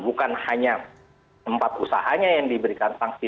bukan hanya tempat usahanya yang diberikan sanksi